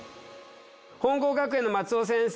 本郷学園の松尾先生